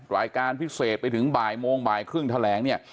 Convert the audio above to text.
รายการพิเศษไปถึงบ่ายโมงบ่ายครึ่งแถลงเนี่ย